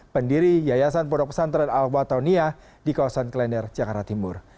pendiri yayasan pondok pesantren al watonia di kawasan klender jakarta timur